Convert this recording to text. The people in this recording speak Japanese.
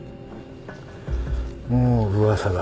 もう噂が。